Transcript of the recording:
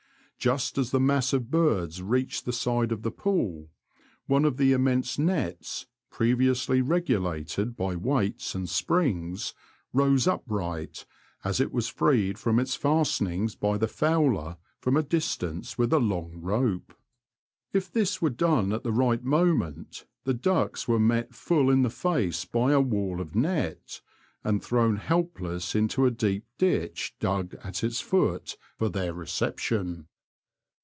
Just as the mass of birds reached the side of the pool, one of the immense nets, previously regulated by weights and springs, rose upright as it was freed from its fastenings by the fowler from a distance with a long rope. If this were done at the right moment the ducks were met full in the face by a wall of net, and thrown help less into a deep ditch dug at its foot for their reception."